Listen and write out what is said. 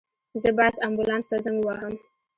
زه باید آنبولاس ته زنګ ووهم